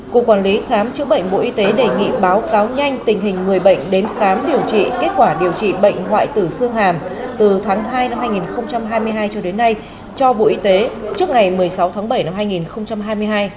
cục quản lý khám chữa bệnh bộ y tế đề nghị báo cáo nhanh tình hình người bệnh đến khám điều trị kết quả điều trị bệnh hoại tử xương hàm từ tháng hai năm hai nghìn hai mươi hai cho đến nay cho bộ y tế trước ngày một mươi sáu tháng bảy năm hai nghìn hai mươi hai